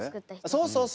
そうそうそう。